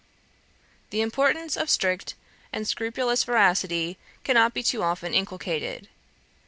The importance of strict and scrupulous veracity cannot be too often inculcated.